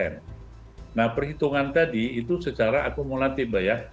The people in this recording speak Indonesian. nah perhitungan tadi itu secara akumulatif mbak ya